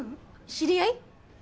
知り合い？